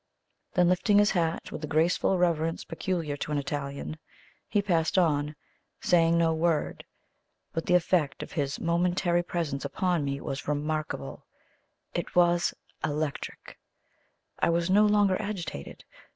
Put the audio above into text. Then lifting his hat with the graceful reverence peculiar to an Italian, he passed on, saying no word. But the effect of his momentary presence upon me was remarkable it was ELECTRIC. I was no longer agitated.